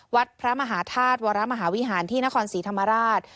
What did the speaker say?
วัดพระมหาธาตุวรมหาวิหารที่นครศรีธรรมราช